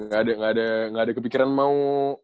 gak ada kepikiran mau